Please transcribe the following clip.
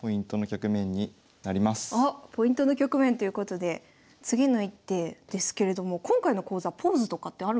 ここがあっポイントの局面ということで次の一手ですけれども今回の講座ポーズとかってあるんですか？